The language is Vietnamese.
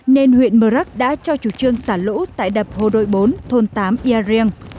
nên huyện mờ rắc đã cho chủ trương xả lũ tại đập hồ đội bốn thôn tám ia riêng